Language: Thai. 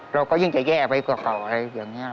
เราก็ยังจะแยกไปกว่าขาวอะไรอย่างนี้ครับ